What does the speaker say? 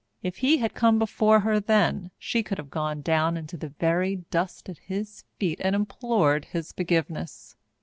If he had come before her then, she could have gone down in the very dust at his feet and implored his forgiveness.